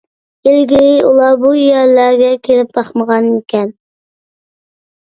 ئىلگىرى ئۇلار بۇ يەرلەرگە كېلىپ باقمىغانىكەن.